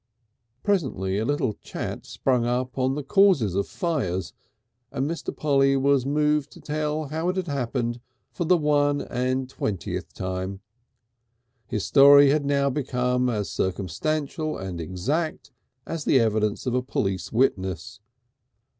Presently a little chat sprang up upon the causes of fires, and Mr. Polly was moved to tell how it had happened for the one and twentieth time. His story had now become as circumstantial and exact as the evidence of a police witness.